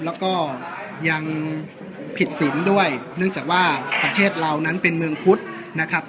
แล้วก็ยังผิดศีลด้วยเนื่องจากว่าประเทศเรานั้นเป็นเมืองพุทธนะครับ